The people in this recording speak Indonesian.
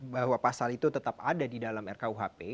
bahwa pasal itu tetap ada di dalam rkuhp